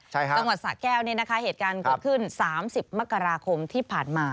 ใช่ค่ะจังหวัดสะแก้วเนี่ยนะคะเหตุการณ์เกิดขึ้น๓๐มกราคมที่ผ่านมา